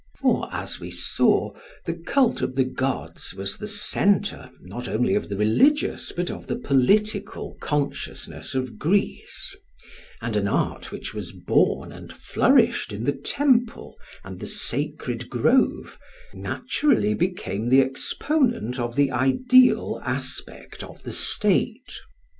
For, as we saw, the cult of the gods was the centre, not only of the religious but of the political consciousness of Greece; and an art which was born and flourished in the temple and the sacred grove, naturally became the exponent of the ideal aspect of the state.